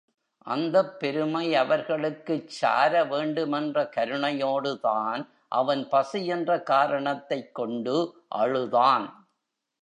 அந்தப் பெருமை அவர்களுக்குச் சார வேண்டுமென்ற கருணையோடுதான் அவன் பசி என்ற காரணத்தைக் கொண்டு அழுதான்.